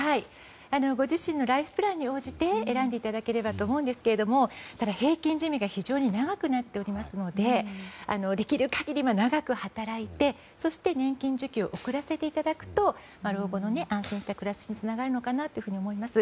ご自身のライフプランに合わせて選んでいただければと思うんですがただ平均寿命が非常に長くなっておりますのでできる限りは長く働いて年金受給を送らせていただくと老後の安心した暮らしにつながるのかなと思います。